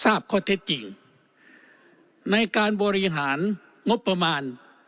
ทราบข้อเท็จจริงในการบริหารงบประมาณ